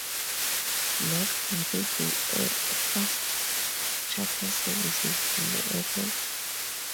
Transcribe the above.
North Cariboo Air offers charter services from the airport.